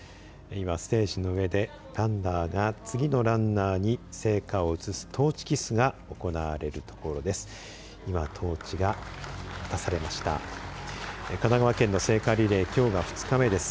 今、ステージの上でランナーが、次のランナーに聖火を移すトーチキスが行われるところです。